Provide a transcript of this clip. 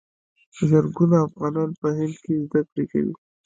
زرګونه افغانان په هند کې زده کړې کوي.